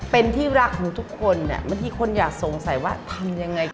เป็นที่รักของทุกคนบางทีคนอยากสงสัยว่าทำยังไง